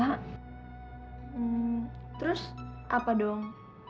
hmm terus apa dong